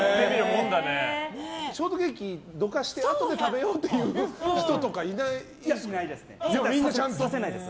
ショートケーキどかしてあとで食べようって人とかいないです。